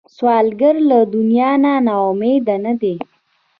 سوالګر له دنیا نه نا امیده نه دی